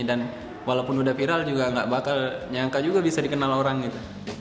dan walaupun udah viral juga gak bakal nyangka juga bisa dikenal orang gitu